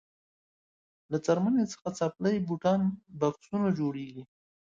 له څرمنې څخه څپلۍ بوټان بکسونه جوړیږي.